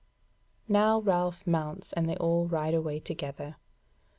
Now Ralph mounts, and they all ride away together.